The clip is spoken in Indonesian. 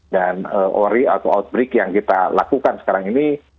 dan ori atau outbreak yang kita lakukan sekarang ini